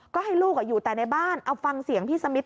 ก็ให้ลูกอยู่แต่ในบ้านเอาฟังเสียงพี่สมิท